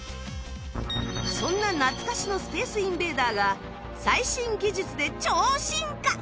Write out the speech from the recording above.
そんな懐かしのスペースインベーダーが最新技術で超進化！